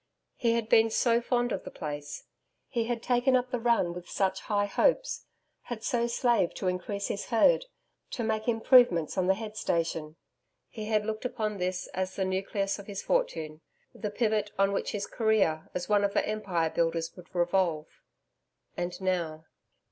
He had been so fond of the place. He had taken up the run with such high hopes; had so slaved to increase his herd, to make improvements on the head station. He had looked upon this as the nucleus of his fortune; the pivot on which his career as one of the Empire builders would revolve.... And now....